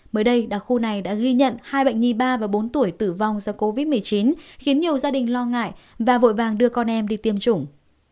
mới đây đặc khu này đã ghi nhận hai bệnh nhi ba và bốn tuổi tử vong do covid một mươi chín khiến nhiều gia đình lo ngại và vội vàng đưa con em đi tiêm chủng